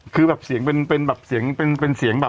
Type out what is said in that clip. คือแบบเสียงเป็นเสียงแบบ